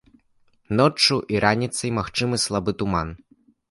Ноччу і раніцай магчымы слабы туман.